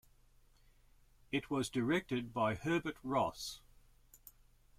It was directed by Herbert Ross.